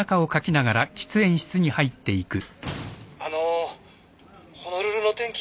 あのホノルルの天気